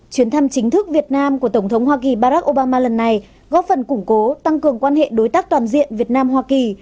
chuyến thăm chính thức việt nam của tổng thống hoa kỳ barack obama lần này góp phần củng cố tăng cường quan hệ đối tác toàn diện việt nam hoa kỳ